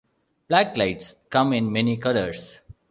Backlights come in many colors.